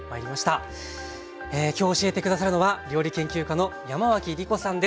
今日教えて下さるのは料理研究家の山脇りこさんです。